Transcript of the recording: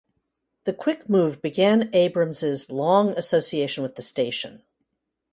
The quick move began Abrams's long association with the station.